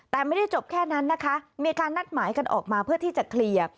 แต่ไม่ได้จบแค่นั้นนะคะมีการนัดหมายกันออกมาเพื่อที่จะเคลียร์